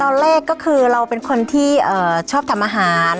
แรกก็คือเราเป็นคนที่ชอบทำอาหาร